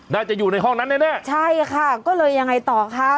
น่าจะอยู่ในห้องนั้นแน่แน่ใช่ค่ะก็เลยยังไงต่อคะ